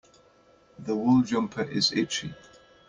This wool jumper is itchy.